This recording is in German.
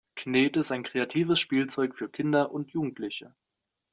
Knete ist ein kreatives Spielzeug für Kinder und Jugendliche.